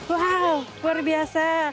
wow luar biasa